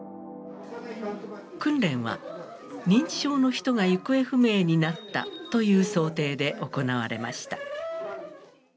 訓練は認知症の人が行方不明になったという想定で行われました。